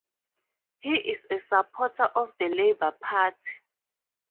He is a supporter of the Labour Party.